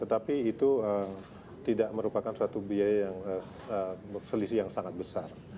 tetapi itu tidak merupakan suatu biaya yang selisih yang sangat besar